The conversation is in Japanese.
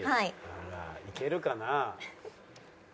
あらいけるかな？